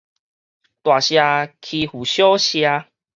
大社欺負小社